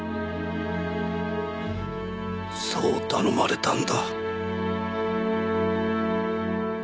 そう頼まれたんだ。